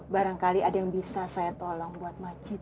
barangkali ada yang bisa saya tolong buat masjid